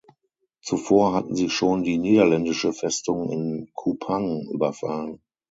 Zuvor hatten sie schon die niederländische Festung in Kupang überfallen.